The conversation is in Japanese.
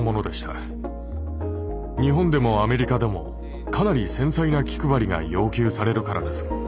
日本でもアメリカでもかなり繊細な気配りが要求されるからです。